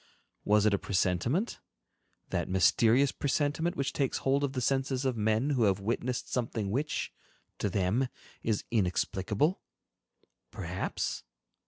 Was it a presentiment—that mysterious presentiment which takes hold of the senses of men who have witnessed something which, to them, is inexplicable? Perhaps?